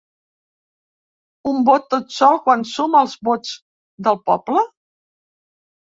Un vot tot sol quan suma els vots del poble?